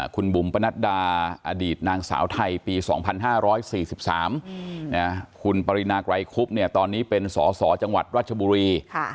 คุณบุ๋มปนัดดาอดีตนางสาวไทยปี๒๕๔๓คุณปรินาไกรคุบตอนนี้เป็นสสจังหวัดรัชบุรี